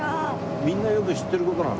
みんなよく知ってる事なの？